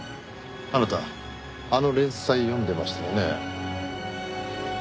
あなたあの連載を読んでましたよね？